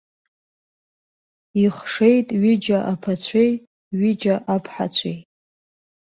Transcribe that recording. Ихшеит ҩыџьа аԥацәеи ҩыџьа аԥҳацәеи.